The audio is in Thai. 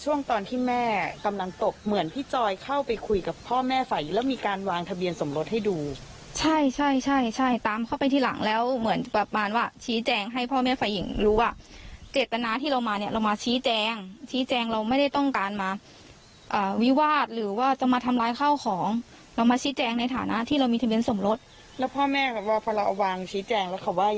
ช่วงตอนที่แม่กำลังตบเหมือนพี่จอยเข้าไปคุยกับพ่อแม่ฝัยแล้วมีการวางทะเบียนสมรสให้ดูใช่ใช่ใช่ใช่ตามเข้าไปที่หลังแล้วเหมือนประมาณว่าชี้แจงให้พ่อแม่ฝัยหญิงรู้อ่ะเจตนาที่เรามาเนี้ยเรามาชี้แจงชี้แจงเราไม่ได้ต้องการมาอ่าวิวาดหรือว่าจะมาทำลายข้าวของเรามาชี้แจงในฐานะที่เรามีทะเบีย